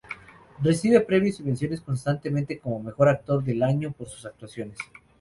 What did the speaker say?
Recibe premios y menciones constantemente como "Mejor Actor del Año" por sus actuaciones.